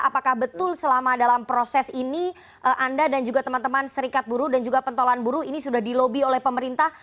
apakah betul selama dalam proses ini anda dan juga teman teman serikat buru dan juga pentolaan buru ini sudah di lobi oleh pemerintah